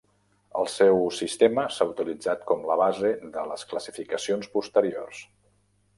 El seu sistema s'ha utilitzat com la base de les classificacions posteriors.